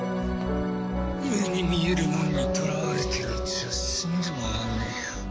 目に見えるもんにとらわれてるうちは死んでもわかんねえよ。